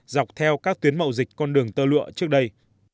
dọc theo các tuyến mậu dịch con đường tơ lụa trước đây